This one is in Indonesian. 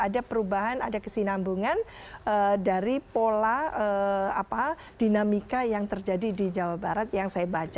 ada perubahan ada kesinambungan dari pola dinamika yang terjadi di jawa barat yang saya baca